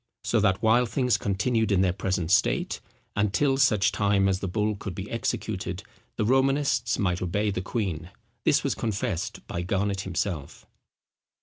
So that while things continued in their present state, and till such time as the bull could be executed, the Romanists might obey the queen. This was confessed by Garnet himself.